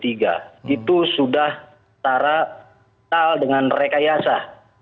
itu sudah setara tal dengan rekayasa